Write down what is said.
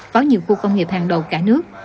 có nhiều khu công nghiệp hàng đầu cả nước